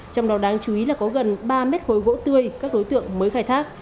trong đó đáng chú ý là có gần ba mét khối gỗ tươi các đối tượng mới khai thác